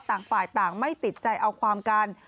ต่างฝ่ายต่างไม่ติดใจเอาความกัน